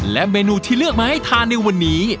และเมนูที่เลือกมาให้ทานในวันนี้